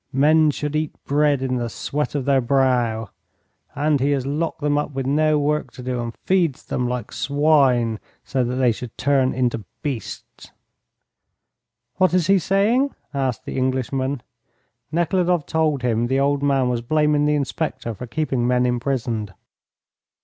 Men should eat bread in the sweat of their brow. And he has locked them up with no work to do, and feeds them like swine, so that they should turn into beasts." "What is he saying?" asked the Englishman. Nekhludoff told him the old man was blaming the inspector for keeping men imprisoned.